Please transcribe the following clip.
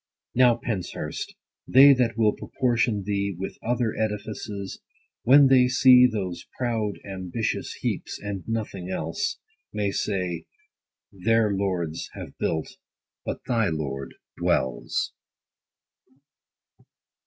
Now, Penshurst, they that will proportion thee With other edifices, when they see 100 Those proud ambitious heaps, and nothing else, May say, their lords have built, but thy lord dwells.